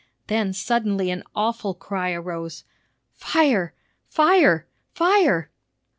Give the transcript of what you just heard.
Then suddenly an awful cry arose, "Fire! Fire! Fire!"